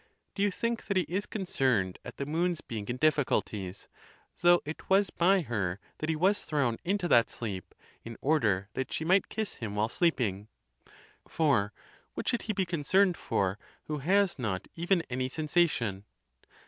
Do you think that he is concern ed at the Moon's. being in difficulties, though it was by her that he was thrown into that sleep, in order that she might kiss him while sleeping. For what should he be concerned for who has not even any sensation?